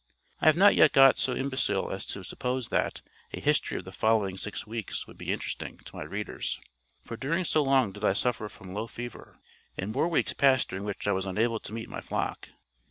I have not yet got so imbecile as to suppose that a history of the following six weeks would be interesting to my readers—for during so long did I suffer from low fever; and more weeks passed during which I was unable to meet my flock.